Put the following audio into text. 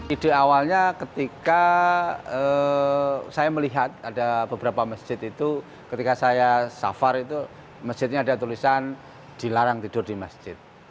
ide awalnya ketika saya melihat ada beberapa masjid itu ketika saya safar itu masjidnya ada tulisan dilarang tidur di masjid